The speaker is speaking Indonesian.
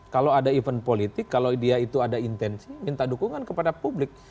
kalau ada event politik kalau dia itu ada intensi minta dukungan kepada publik